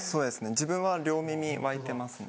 自分は両耳わいてますね。